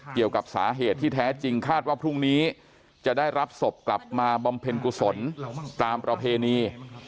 เกี่ยวกับสาเหตุที่แท้จริงคาดว่าพรุ่งนี้จะได้รับศพกลับมาบำเพ็ญกุศลตามประเพณี